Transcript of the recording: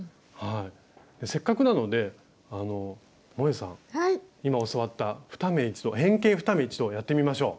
せっかくなのでもえさん今教わった変形２目一度をやってみましょう。